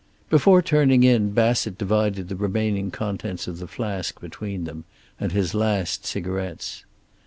Before turning in Bassett divided the remaining contents of the flask between them, and his last cigarettes.